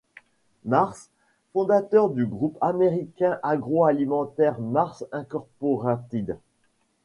Mars, fondateurs du groupe américain agro-alimentaire Mars Incorporated.